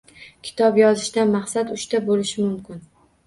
Kitob yozishdan maqsad uchta boʻlishi mumkin.